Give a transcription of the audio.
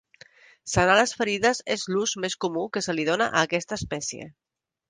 Sanar les ferides és l'ús més comú que se li dóna a aquesta espècie.